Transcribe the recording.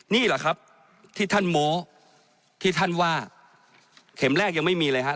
นี่แหละครับที่ท่านโม้ที่ท่านว่าเข็มแรกยังไม่มีเลยฮะ